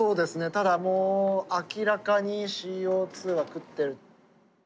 ただもう明らかにＣＯは食ってる。